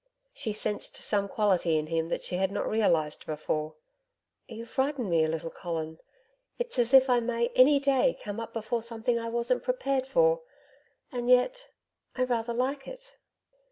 She sensed some quality in him that she had not realised before. 'You frighten me a little, Colin. It's as if I may any day come up before something I wasn't prepared for; and yet I rather like it.'